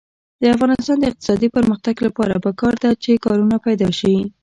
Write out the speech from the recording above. د افغانستان د اقتصادي پرمختګ لپاره پکار ده چې کارونه پیدا شي.